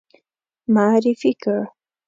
معرفي کړ.